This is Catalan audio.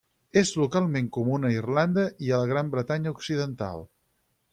És localment comuna a Irlanda i a la Gran Bretanya occidental.